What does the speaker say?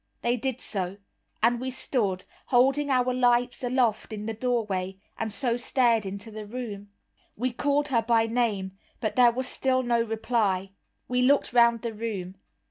They did so, and we stood, holding our lights aloft, in the doorway, and so stared into the room. We called her by name; but there was still no reply. We looked round the room.